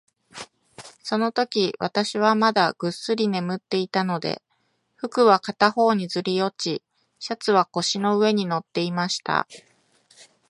そのとき、私はまだぐっすり眠っていたので、服は片方にずり落ち、シャツは腰の上に載っていました。